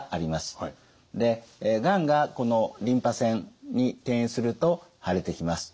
でがんがこのリンパ腺に転移すると腫れてきます。